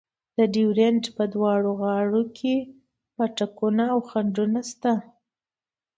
د ډیورنډ په دواړو غاړو کې پاټکونه او خنډونه شته.